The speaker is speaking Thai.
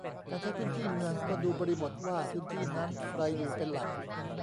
การใช้พื้นที่เมืองก็ดูบริบทว่าพื้นที่นั้นใครอยู่เป็นหลัก